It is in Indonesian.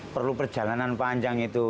perlu perjalanan panjang itu